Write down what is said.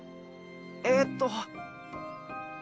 えっと。